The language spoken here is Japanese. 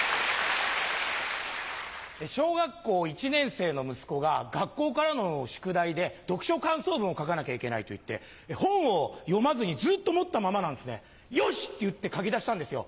小学校１年生の息子が学校からの宿題で読書感想文を書かなきゃいけないと言って本を読まずにずっと持ったままなんですね。よし！って言って書きだしたんですよ。